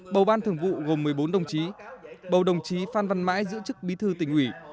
bầu ban thường vụ gồm một mươi bốn đồng chí bầu đồng chí phan văn mãi giữ chức bí thư tỉnh ủy